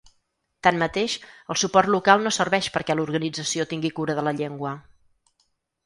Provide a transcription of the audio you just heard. Tanmateix, el suport local no serveix perquè l’organització tingui cura de la llengua.